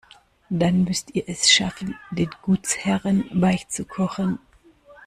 Dann müsst ihr es schaffen, den Gutsherren weichzukochen.